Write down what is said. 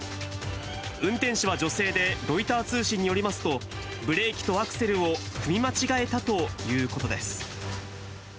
運転手は女性で、ロイター通信によりますと、ブレーキとアクセルを踏み間違えたということです。